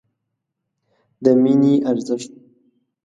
د مینې ارزښت